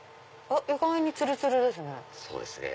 意外につるつるですね。